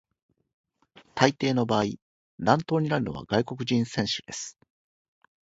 大抵の場合、乱闘になるのは外国人選手です。